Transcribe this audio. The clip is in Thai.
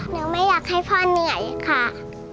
ไม่อยากให้พ่อเหนื่อยค่ะ